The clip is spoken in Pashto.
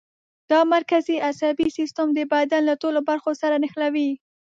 دا مرکزي عصبي سیستم د بدن له ټولو برخو سره نښلوي.